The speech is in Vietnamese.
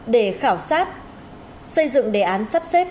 để khảo sát xây dựng đề án sắp xếp